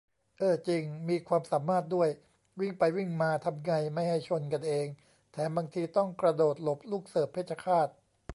เอ้อ จริง มีความสามารถด้วย วิ่งไปวิ่งมาทำไงไม่ให้ชนกันเอง แถมบางทีต้องกระโดดหลบลูกเสิร์ฟเพชรฆาต !